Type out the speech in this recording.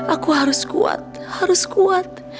aku harus kuat harus kuat